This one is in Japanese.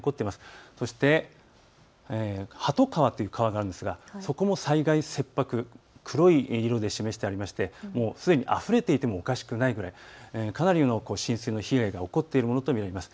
そしてはと川という川があるのですがそこも災害切迫、黒い色で示していてあふれていてもおかしくないくらいかなり浸水の被害が起こっているものと見られます。